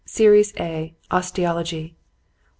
"Series A. Osteology. "1.